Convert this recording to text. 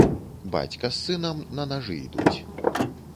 Бацька з сынам на нажы ідуць.